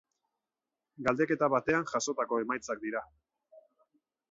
Galdeketa batean jasotako emaitzak dira.